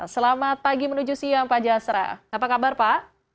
selamat pagi menuju siang pak jasra apa kabar pak